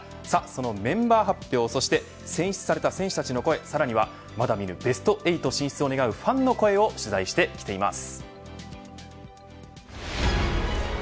そのメンバー発表そして選出された選手たちの声さらにはまだ見ぬベスト８進出を願うファンの声を取材してきています。